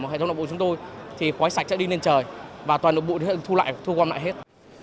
hệ thống lọc bụi của chúng tôi thì khói sạch sẽ đi lên trời và toàn bộ bụi sẽ thu lại thu quam lại hết